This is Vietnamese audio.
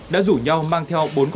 đã rủ nhau mang theo bốn con chú